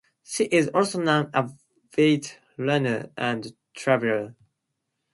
She is also an avid runner and traveller.